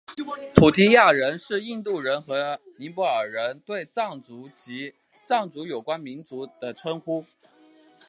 菩提亚人是印度人与尼泊尔人对藏族及与藏族有关民族的称呼。